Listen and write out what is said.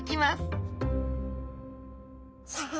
さあ